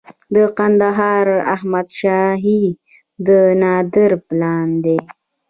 د کندهار احمد شاهي د نادر پلان دی